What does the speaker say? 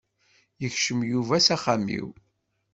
Yekcem Yuba s axxam-iw.